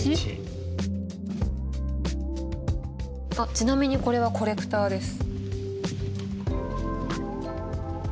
ちなみにこれは「コレクター」です。